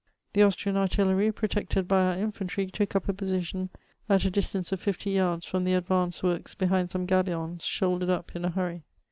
The Austrian ardlleiy, protected by our infantry, took up a position at a distance of fifty yards from the advanced works behind some gabions shouldered up in a hurry.